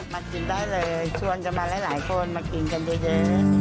มากินได้เลยชวนกันมาหลายคนมากินกันเยอะ